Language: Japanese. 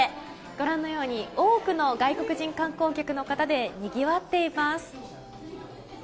ご覧のように多くの外国人観光客の方でにぎわっています。